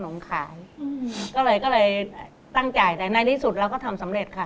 ก็เลยตั้งใจแต่ในที่สุดเราก็ทำสำเร็จค่ะ